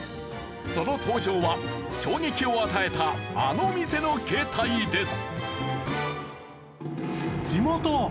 その登場は衝撃を与えたあの店の形態です。